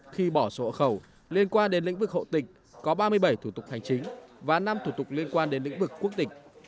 khi bỏ sổ khẩu liên quan đến lĩnh vực hậu tịch có ba mươi bảy thủ tục hành chính và năm thủ tục liên quan đến lĩnh vực quốc tịch